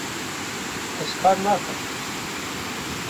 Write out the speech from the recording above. Ez kar nakim